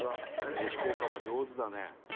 「名刺交換も上手だね」